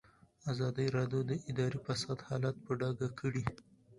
ازادي راډیو د اداري فساد حالت په ډاګه کړی.